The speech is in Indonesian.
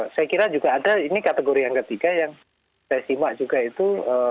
saya kira juga ada ini kategori yang ketiga yang saya simak juga itu